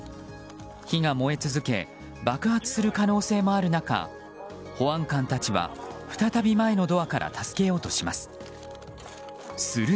火が燃え続け爆発する可能性もある中保安官たちは、再び前のドアから助けようとします。